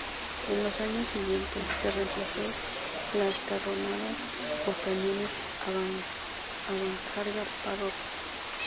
En los años siguientes, se reemplazó las carronadas por cañones avancarga Parrott.